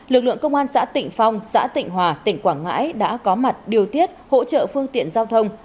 lực lượng công an xã tịnh phong xã tịnh hòa tỉnh quảng ngãi đã có mặt điều tiết hỗ trợ phương tiện giao thông